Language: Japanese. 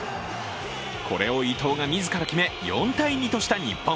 これを伊東が自ら決め４−２とした日本。